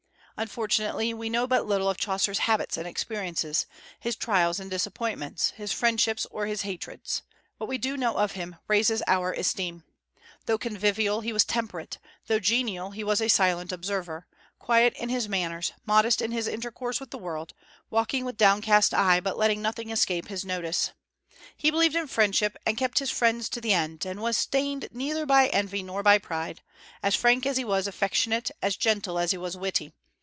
Unfortunately, we know but little of Chaucer's habits and experiences, his trials and disappointments, his friendships or his hatreds. What we do know of him raises our esteem. Though convivial, he was temperate; though genial, he was a silent observer, quiet in his manners, modest in his intercourse with the world, walking with downcast eye, but letting nothing escape his notice. He believed in friendship, and kept his friends to the end, and was stained neither by envy nor by pride, as frank as he was affectionate, as gentle as he was witty.